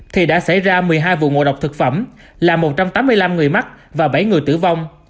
thì đã xảy ra một mươi hai vụ ngộ độc thực phẩm là một trăm tám mươi năm người mắc và bảy người tử vong